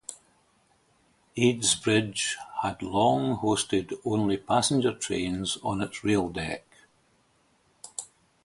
Eads Bridge had long hosted only passenger trains on its rail deck.